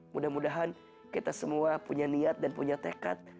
mudah mudahan kita semua punya niat dan punya tekad